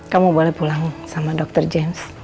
kamu boleh pulang sama dokter james